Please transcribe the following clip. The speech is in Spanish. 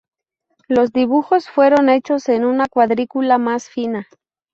Los dibujos fueron hechos en una cuadrícula más fina.